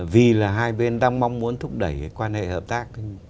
vì là hai bên đang mong muốn thúc đẩy quan hệ hợp tác